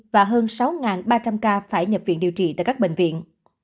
và hơn sáu ba trăm linh ca phải nhập viện điều trị tại các bệnh viện